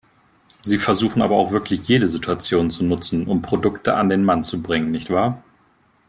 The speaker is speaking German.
Sie versuchen aber auch wirklich jede Situation zu nutzen, um Produkte an den Mann zu bringen, nicht wahr?